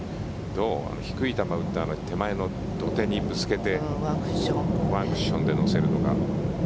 低い球を打って手前の土手にぶつけてワンクッションで乗せるとか。